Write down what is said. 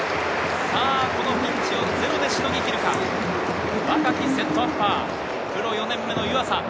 ピンチをゼロでしのぎきるか、若きセットアッパー、プロ４年目の湯浅。